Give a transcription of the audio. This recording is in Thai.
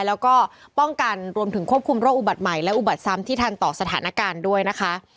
แล้วก็ป้องกันรวมถึงควบคุมโรคอุบัติใหม่และอุบัติซ้ำที่ทันต่อสถานการณ์ด้วยนะคะ